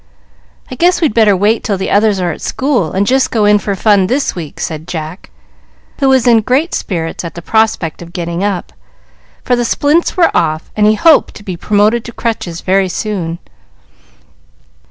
"I guess we'd better wait till the others are at school, and just go in for fun this week," said Jack, who was in great spirits at the prospect of getting up, for the splints were off, and he hoped to be promoted to crutches very soon.